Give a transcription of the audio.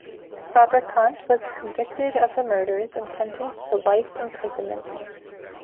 Fabrikant was convicted of the murders and sentenced to life imprisonment.